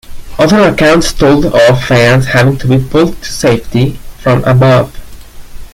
Other accounts told of fans having to be pulled to safety from above.